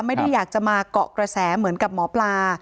ไม่ได้อยากจะมาเกาะกระแสเหมือนกับหมอปลา